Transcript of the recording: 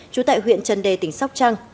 trú tại huyện trần đề tỉnh sóc trăng